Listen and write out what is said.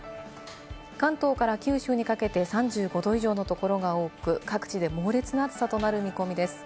関東から九州にかけて３５℃以上のところが多く、各地で猛烈な暑さとなる見込みです。